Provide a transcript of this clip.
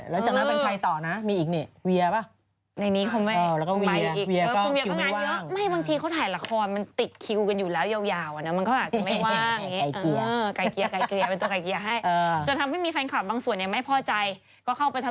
แล้วจากนั้นเป็นใครต่อนะมีอีกนี่เวียป่ะ